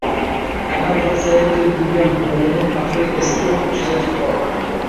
Kanadada sayr qilib yurgan bug‘uni faxriy eskort kuzatib bordi